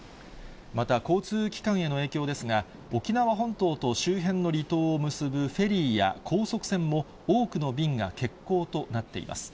また、交通機関への影響ですが、沖縄本島と周辺の離島を結ぶフェリーや高速船も、多くの便が欠航となっています。